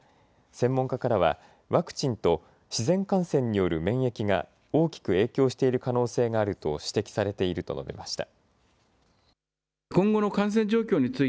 専門家からはワクチンと自然感染による免疫が大きく影響している可能性があると指摘されていると述べました。